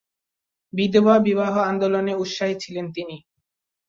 বিধবা বিবাহ আন্দোলনে উৎসাহী ছিলেন তিনি।